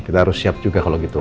kita harus siap juga kalau gitu